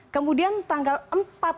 kemudian tanggal empat maret